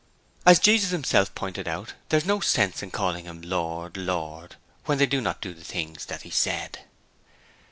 As Jesus himself pointed out, there's no sense in calling Him 'Lord, Lord' when they do not the things that He said.